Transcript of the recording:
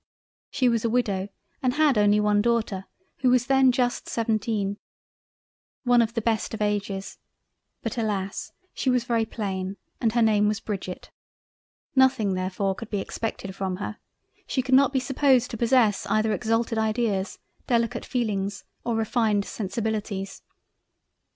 She was a widow and had only one Daughter, who was then just seventeen—One of the best of ages; but alas! she was very plain and her name was Bridget..... Nothing therfore could be expected from her—she could not be supposed to possess either exalted Ideas, Delicate Feelings or refined Sensibilities—.